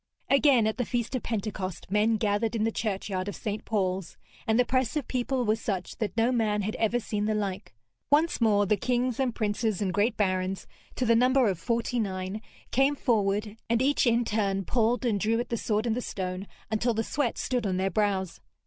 Again at the feast of Pentecost men gathered in the churchyard of St. Paul's, and the press of people was such that no man had ever seen the like. Once more the kings and princes and great barons, to the number of forty nine, came forward, and each in turn pulled and drew at the sword in the stone until the sweat stood on their brows.